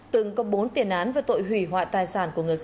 từng cấp bốn tiền án về tội hủy hoại tài sản